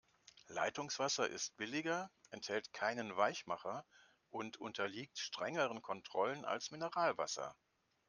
Leitungswasser ist billiger, enthält keinen Weichmacher und unterliegt strengeren Kontrollen als Mineralwasser.